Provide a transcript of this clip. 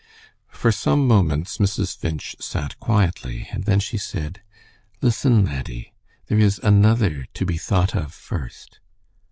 For some moments Mrs. Finch sat quietly, and then she said, "Listen, laddie. There is Another to be thought of first."